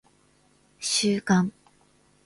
収監